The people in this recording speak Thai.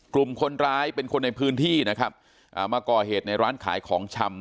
กลุ่มคนร้ายเป็นคนในพื้นที่นะครับอ่ามาก่อเหตุในร้านขายของชำ